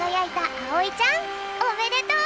あおいちゃんおめでとう！